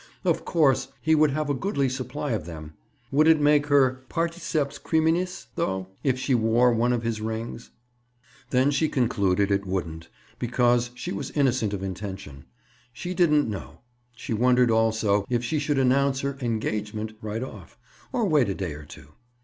Of course, he would have a goodly supply of them. Would it make her particeps criminis though, if she wore one of his rings? Then she concluded it wouldn't, because she was innocent of intention. She didn't know. She wondered, also, if she should announce her "engagement" right off, or wait a day or two.